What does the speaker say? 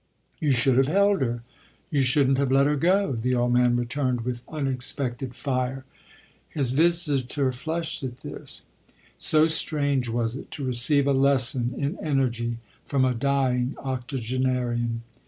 "You should have held her you shouldn't have let her go," the old man returned with unexpected fire. His visitor flushed at this, so strange was it to receive a lesson in energy from a dying octogenarian.